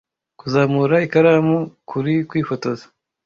Kuzamura ikaramu kuri kwifotoza.